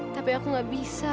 tapi aku gak bisa